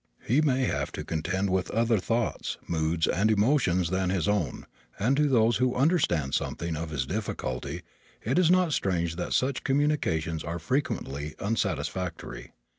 He may have to contend with other thoughts, moods and emotions than his own and to those who understand something of his difficulties it is not strange that such communications are frequently unsatisfactory.